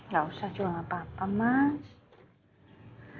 gak usah jual apa apa mas